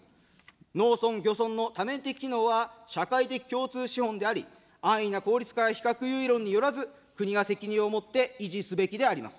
農村、漁村の多面的機能は、社会的であり、安易な効率化や比較優位論によらず、政府が維持すべきであります。